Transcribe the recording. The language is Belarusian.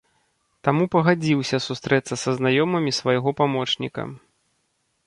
Таму пагадзіўся сустрэцца са знаёмымі свайго памочніка.